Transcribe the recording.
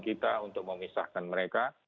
kita harus memisahkan mereka